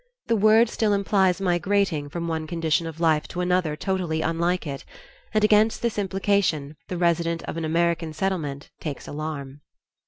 The word still implies migrating from one condition of life to another totally unlike it, and against this implication the resident of an American settlement takes alarm.